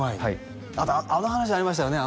あとあの話ありましたよね？